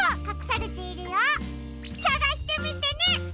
さがしてみてね！